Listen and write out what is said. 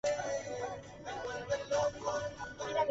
Physikalisch-mathematische Classe".